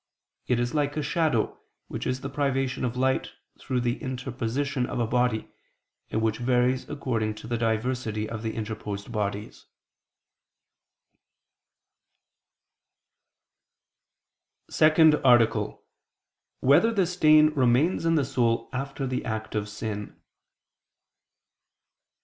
It is like a shadow, which is the privation of light through the interposition of a body, and which varies according to the diversity of the interposed bodies. ________________________ SECOND ARTICLE [I II, Q. 86, Art. 2] Whether the Stain Remains in the Soul After the Act of Sin?